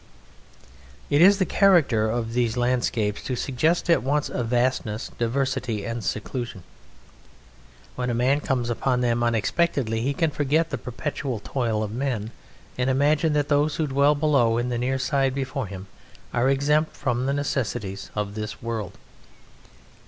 It is the character of these landscapes to suggest at once a vastness, diversity, and seclusion. When a man comes upon them unexpectedly he can forget the perpetual toil of men and imagine that those who dwell below in the near side before him are exempt from the necessities of this world.